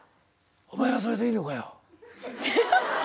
「お前はそれでいいのかよ」